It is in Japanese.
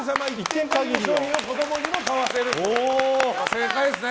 正解です。